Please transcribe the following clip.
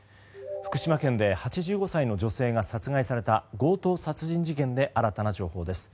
福島県で８５歳の女性が殺害された強盗殺人事件で新たな情報です。